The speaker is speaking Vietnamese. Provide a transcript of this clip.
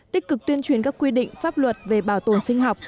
tích cực tuyên truyền các quy định pháp luật về bảo tồn sinh học